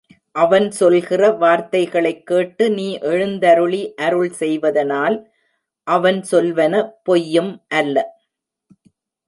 அவன் சொல்கிற வார்த்தைகளைக் கேட்டு நீ எழுந்தருளி அருள் செய்வதனால் அவன் சொல்வன பொய்யும் அல்ல.